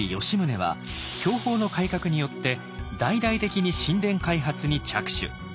吉宗は享保の改革によって大々的に新田開発に着手。